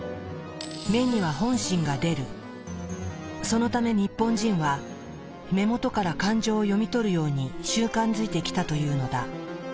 そのため日本人は目元から感情を読み取るように習慣づいてきたというのだ。